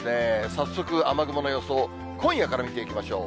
早速、雨雲の予想を、今夜から見ていきましょう。